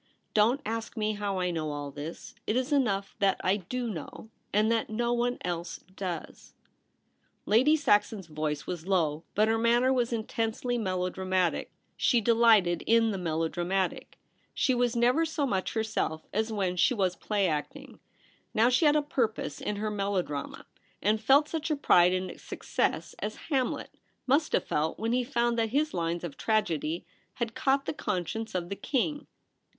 Don't ask me how I know all this. It is enough that I (1^0 know, and that no one else does.' Lady Saxon's voice was low, but her manner was intensely melodramatic. She 288 THE REBEL ROSE. delighted in the melodramatic. She was never so much herself as when she was play acting. Now she had a purpose in her melo drama, and felt such a pride in its success as Hamlet must have felt when he found that his lines of tragedy had caught the conscience of the king.